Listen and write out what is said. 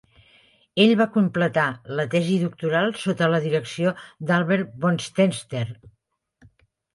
Ell va completar la tesi doctoral sota la direcció d'Albert Wohlstetter.